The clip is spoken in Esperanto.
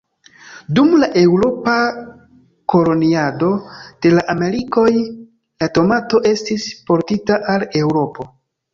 Dum la eŭropa koloniado de la Amerikoj, la tomato estis portita al Eŭropo.